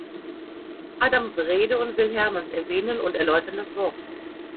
Adam Wrede und Will Hermanns erwähnen und erläutern das Wort.